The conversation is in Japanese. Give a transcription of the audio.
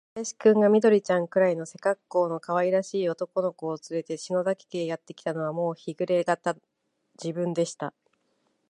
小林君が、緑ちゃんくらいの背かっこうのかわいらしい男の子をつれて、篠崎家へやってきたのは、もう日の暮れがた時分でした。